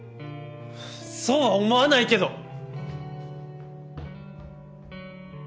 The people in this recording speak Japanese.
そうは思わないけど！